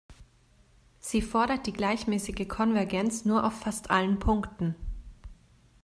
Sie fordert die gleichmäßige Konvergenz nur auf fast allen Punkten.